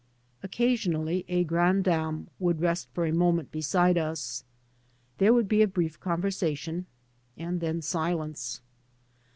Occasionally a grandam would rest for a moment beside us. There would be a brief conversation, and then silence.